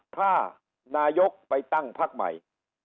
ถ้านายกไปตั้งพักใหม่